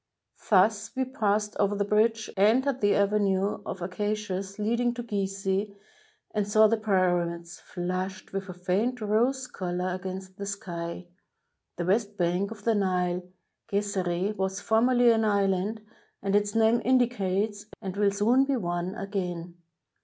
Thus we passed over the bridge, entered the ave nue of acacias leading to Gizeh, and saw the Pyramids, flushed with a faiat rose color, against the sky. The west bank of the Nile, Gezeereh, was formerly an island, as its name indicates, and will soon be one again.